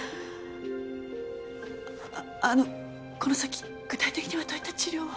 あのこの先具体的にはどういった治療を？